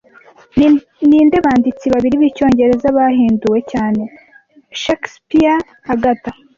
Ninde banditsi babiri b'icyongereza bahinduwe cyane Shakespeare - Agatha